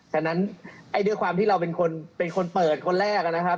ฉะนั้นด้วยความที่เราเป็นคนเปิดคนแรกนะครับ